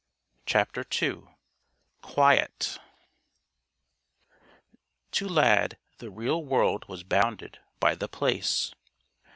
CHAPTER II "QUIET" To Lad the real world was bounded by The Place.